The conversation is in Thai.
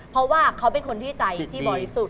เพราะว่าเขาเป็นคนที่ใจที่บ่อยสุด